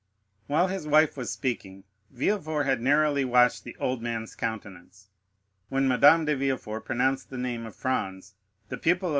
While his wife was speaking, Villefort had narrowly watched the old man's countenance. When Madame de Villefort pronounced the name of Franz, the pupil of M.